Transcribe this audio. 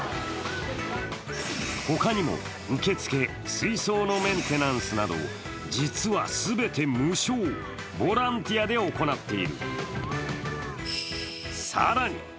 他にも、受付、水槽のメンテナンスなど実は全て無償、ボランティアで行っている。